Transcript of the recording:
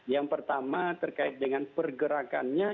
yang pertama terkait dengan pergerakannya